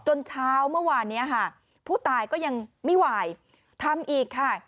เช้าเมื่อวานนี้ค่ะผู้ตายก็ยังไม่ไหวทำอีกค่ะ